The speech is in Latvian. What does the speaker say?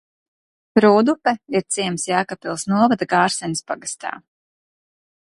Rūdupe ir ciems Jēkabpils novada Gārsenes pagastā.